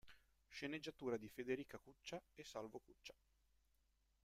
Sceneggiatura di Federica Cuccia e Salvo Cuccia.